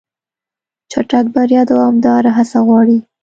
چټک بریا دوامداره هڅه غواړي.